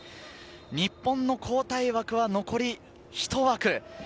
日本の交代枠は残り１枠。